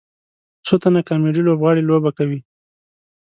څو تنه کامیډي لوبغاړي لوبه کوي.